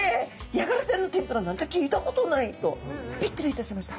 ヤガラちゃんの天ぷらなんて聞いたことないとびっくりいたしました。